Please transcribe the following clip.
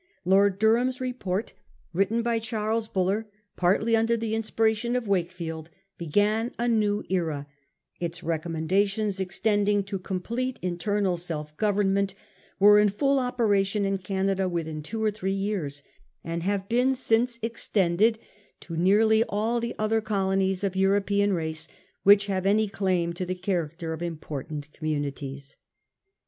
Lord Dur ham's report, written by Charles Buller, partly under the inspiration of 'Wakhfield, began a new era ; its recommendations, extending to complete internal self government, were in full operation in Canada within two or three years, and have been since extended tc nearly all the other colonies of European race which have any claim to the character of important com munities.